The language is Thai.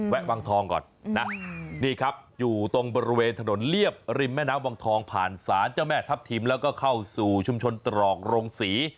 วังทองก่อนนะนี่ครับอยู่ตรงบริเวณถนนเรียบริมแม่น้ำวังทองผ่านศาลเจ้าแม่ทัพทิมแล้วก็เข้าสู่ชุมชนตรอกโรงศรี